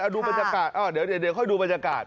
ดูบรรยากาศเดี๋ยวค่อยดูบรรยากาศ